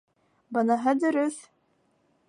Быныһы дөрөҫ.